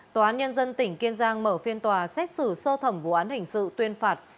tòa án nhân dân tỉnh kiên giang mở phiên tòa xét xử sơ thẩm vụ án hình sự tuyên phạt